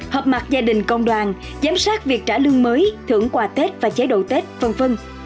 hợp mặt gia đình công đoàn giám sát việc trả lương mới thưởng quà tết và chế độ tết v v